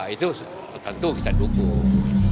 itu tentu kita dukung